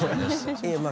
いやまあ